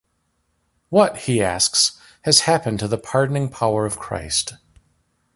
What, he asks, has happened to the pardoning power of Christ?